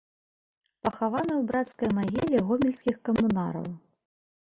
Пахаваны ў брацкай магіле гомельскіх камунараў.